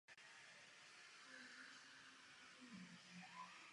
Již při studiu byl zapojen do rodinného vydavatelství Promenáda.